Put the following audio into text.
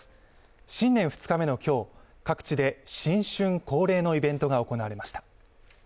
新年２日目の今日各地で新春恒例のイベントが行われました。